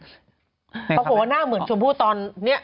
ปรากฏว่าหน้าเหมือนชมพู่ตอนนี้